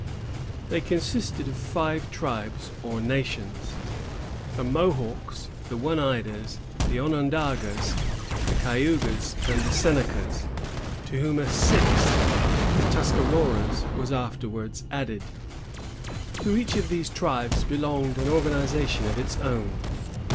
They consisted of five tribes or nations——the Mohawks, the Oneidas, the Onondagas, the Cayugas, and the Senecas, to whom a sixth, the Tuscaroras, was afterwards added. To each of these tribes belonged an organization of its own.